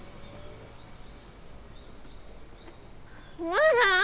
まだ？